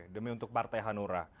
demi untuk partai hanura